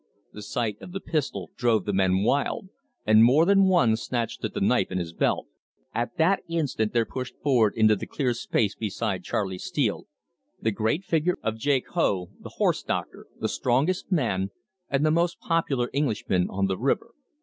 The sight of the pistol drove the men wild, and more than one snatched at the knife in his belt. At that instant there pushed forward into the clear space beside Charley Steele the great figure of Jake Hough, the horse doctor, the strongest man, and the most popular Englishman on the river.